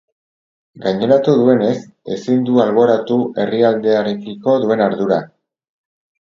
Gaineratu duenez, ezin du alboratu herrialdearekiko duen ardura.